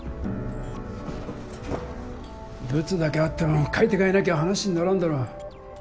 ブツだけあっても買い手がいなきゃ話にならんだろう？